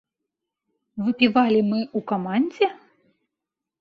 Выпівалі мы ў камандзе?